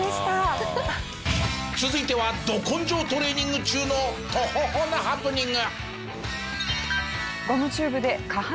続いてはド根性トレーニング中のとほほなハプニング。